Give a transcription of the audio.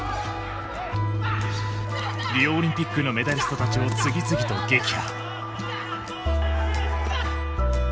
リオオリンピックのメダリストたちを次々と撃破。